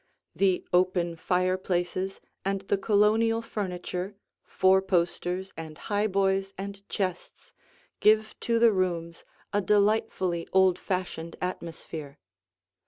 The open fireplaces and the Colonial furniture, four posters and highboys and chests, give to the rooms a delightfully old fashioned atmosphere.